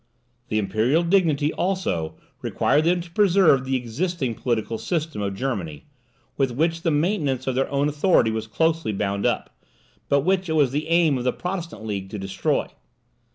The imperial dignity, also, required them to preserve the existing political system of Germany, with which the maintenance of their own authority was closely bound up, but which it was the aim of the Protestant League to destroy.